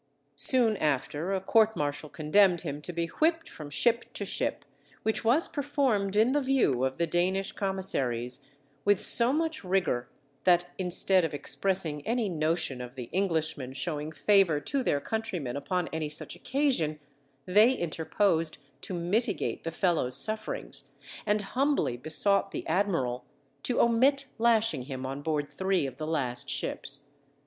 Soon after a court martial condemned him to be whipped from ship to ship, which was performed in the view of the Danish commissaries, with so much rigour that instead of expressing any notion of the Englishmen showing favour to their countryman upon any such occasion, they interposed to mitigate the fellow's sufferings, and humbly besought the admiral to omit lashing him on board three of the last ships.